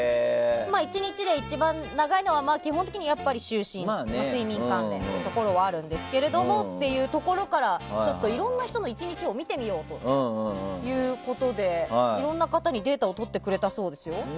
１日で一番長いのは基本的にやっぱり就寝睡眠関係ではあるというところからちょっといろんな人の１日を見てみようということでいろんな方のデータを取ってくれたそうです。